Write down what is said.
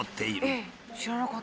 えっ？